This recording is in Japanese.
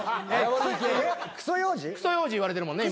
くそようじ言われてるもんね